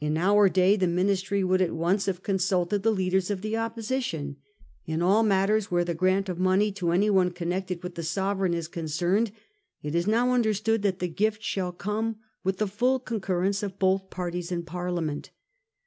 In our day the Ministry would at once have consulted the leaders of the Op position. In all matters where the grant of money to anyone connected with the Sovereign is concerned, it is now understood that the gift shall come with the full concurrence of both parties in Parliament.